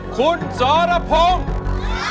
คุณสรพงศ์